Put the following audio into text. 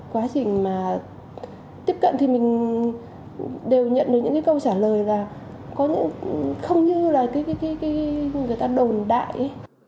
quá trình mà tiếp cận thì mình đều nhận được những cái câu trả lời là không như là người ta đồn đại